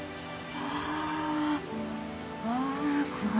わあすごい。